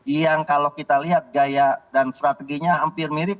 yang kalau kita lihat gaya dan strateginya hampir mirip